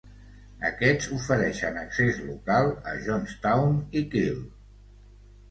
Aquests ofereixen accés local a Johnstown i Kill.